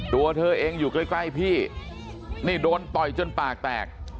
ตัวเธอเองอยู่ใกล้พี่นี่โดนต่อยจนปากแตก